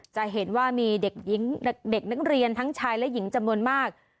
จะเห็นว่ามีเด็กหญิงเด็กนักเรียนทั้งชายและหญิงจำนวนมาก